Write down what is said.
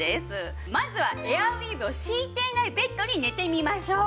まずはエアウィーヴを敷いていないベッドに寝てみましょう。